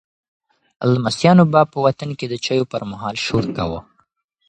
لمسیانو به په وطن کې د چایو پر مهال شور کاوه.